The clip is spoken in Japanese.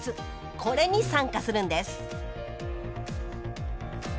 これに参加するんです